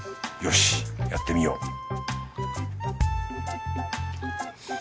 よしやってみよう